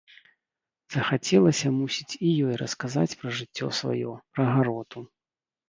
Захацелася, мусіць, і ёй расказаць пра жыццё сваё, пра гароту.